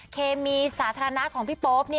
เคมีสาธารณะของพี่โป๊ป